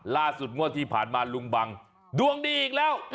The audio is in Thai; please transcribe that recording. งวดที่ผ่านมาลุงบังดวงดีอีกแล้ว